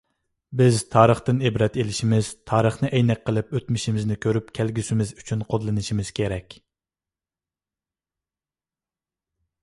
بىز تارىختىن ئىبرەت ئېلىشىمىز، تارىخنى ئەينەك قىلىپ ئۆتمۈشىمىزنى كۆرۈپ، كەلگۈسىمىز ئۈچۈن قوللىنىشىمىز كېرەك.